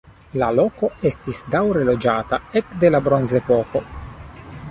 La loko estis daŭre loĝata ekde la bronzepoko.